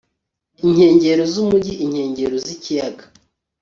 inkengero z'umugi, inkengero z'ikiyaga